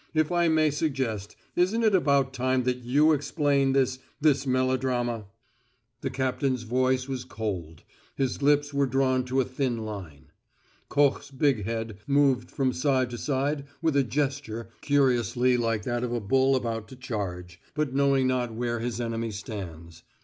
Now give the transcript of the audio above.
If I may suggest, isn't it about time that you explain this this melodrama?" The captain's voice was cold; his lips were drawn to a thin line. Koch's big head moved from side to side with a gesture curiously like that of a bull about to charge, but knowing not where his enemy stands.